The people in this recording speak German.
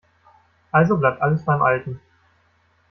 Also bleibt alles beim Alten.